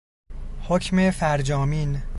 حکم فرجامین